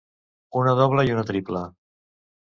Una doble i una triple.